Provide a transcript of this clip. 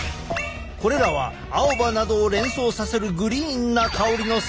これらは青葉などを連想させるグリーンな香りの成分。